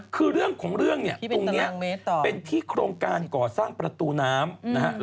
คือเรื่องของเรื่องเนี่ยตรงนี้เป็นที่โครงการก่อสร้างประตูน้ำนะฮะ